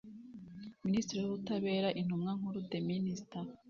Minisitiri w Ubutabera Intumwa Nkuru The Minister